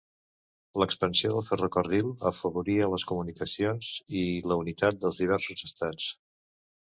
L'expansió del ferrocarril afavoria les comunicacions i la unitat dels diversos Estats.